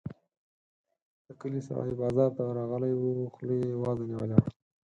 د کلي سړی بازار ته راغلی وو؛ خوله يې وازه نيولې وه.